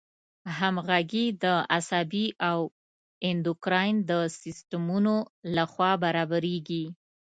همغږي د عصبي او اندوکراین د سیستمونو له خوا برابریږي.